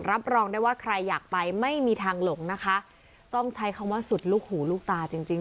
รับรองได้ว่าใครอยากไปไม่มีทางหลงนะคะต้องใช้คำว่าสุดลูกหูลูกตาจริงจริง